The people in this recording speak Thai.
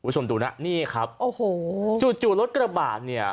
จู่รถกระบาดเนี่ย